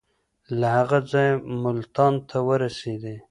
له هغه ځایه ملتان ته ورسېدی.